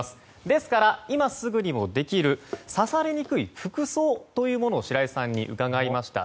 ですから、今すぐにもできる刺されにくい服装というのを白井さんに伺いました。